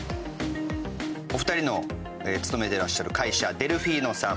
お二人の勤めていらっしゃる会社デルフィーノさん。